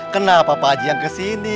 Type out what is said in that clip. kenapa pak haji yang kesini